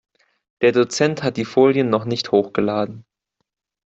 Der Dozent hat die Folien noch nicht hochgeladen.